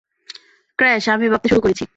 Crash, আমি ভাবতে শুরু করেছি।